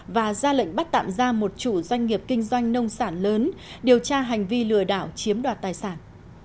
và ra lệnh bắt tạm ra một chủ doanh nghiệp kinh doanh nông sản lớn điều tra hành vi lừa đảo chiếm đoạt tài sản